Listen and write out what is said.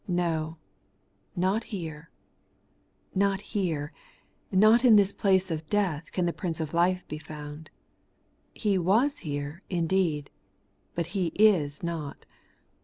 No ; not here, — ^not here ; not in this place of death can the Prince of life be found. He was here, indeed ; but He is not.